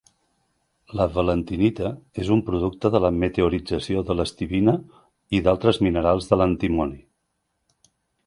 La valentinita és un producte de la meteorització de l'estibina i d'altres minerals de l'antimoni.